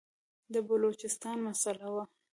د بلوچستان مسله وه.